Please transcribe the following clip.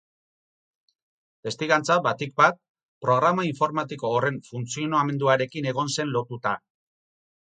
Testigantza, batik bat, programa informatiko horren funtzionamenduarekin egon zen lotuta.